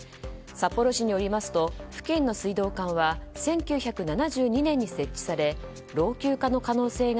札幌市によりますと付近の水道管は１９７２年に設置され老朽化の可能性が